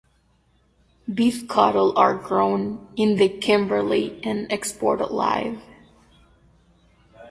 Beef cattle are grown in the Kimberley and exported live.